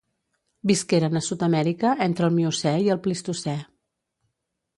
Visqueren a Sud-amèrica entre el Miocè i el Plistocè.